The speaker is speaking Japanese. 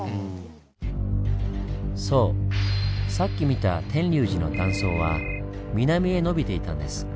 そうさっき見た天龍寺の断層は南へ延びていたんです。